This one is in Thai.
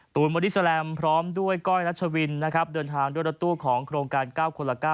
ตูนโมดิสแลมพร้อมด้วยก้อยนัชวินเดินทางด้วยรัตตู้ของโครงการ๙คนละ๙